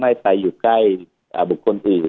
แล้วก็ไม่ไปอยู่ใกล้บุคคลอื่น